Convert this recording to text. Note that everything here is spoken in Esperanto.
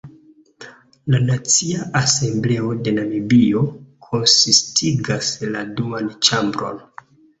La Nacia Asembleo de Namibio konsistigas la duan ĉambron.